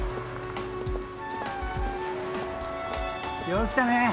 よう来たね。